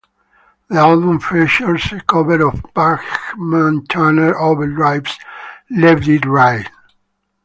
The album features a cover of Bachman-Turner Overdrive's "Let it Ride".